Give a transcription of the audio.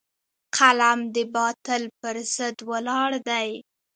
قلم د باطل پر ضد ولاړ دی